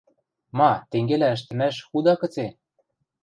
Ма, тенгелӓ ӹштӹмӓш худа гыце?